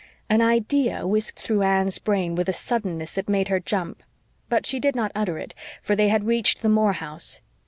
An idea whisked through Anne's brain with a suddenness that made her jump. But she did not utter it, for they had reached the Moore house.